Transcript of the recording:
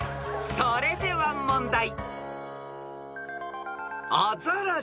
［それでは問題］